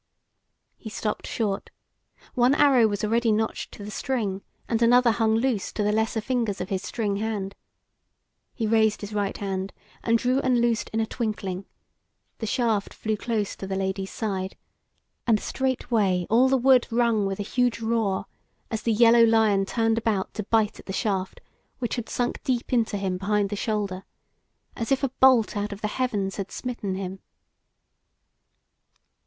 He stopped short; one arrow was already notched to the string, and another hung loose to the lesser fingers of his string hand. He raised his right hand, and drew and loosed in a twinkling; the shaft flew close to the Lady's side, and straightway all the wood rung with a huge roar, as the yellow lion turned about to bite at the shaft which had sunk deep into him behind the shoulder, as if a bolt out of the heavens had smitten him.